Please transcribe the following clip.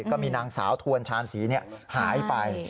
ก็มีนางสาวทวนชาญศรีหายไป